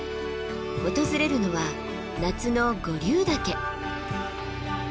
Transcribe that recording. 訪れるのは夏の五竜岳。